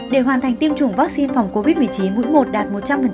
để hoàn thành tiêm chủng vaccine phòng covid một mươi chín mũi một đạt một trăm linh